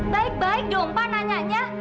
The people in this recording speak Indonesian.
baik baik dong pak nanyanya